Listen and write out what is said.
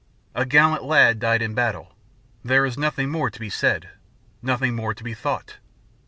A gallant lad died in battle; there is nothing more to be said, nothing more to be thought.